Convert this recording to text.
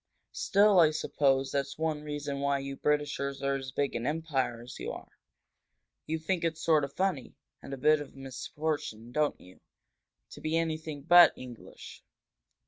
Still, I suppose that's one reason you Britishers are as big an empire as you are. You think it's sort of funny and a bit of a misfortune, don't you, to be anything but English?"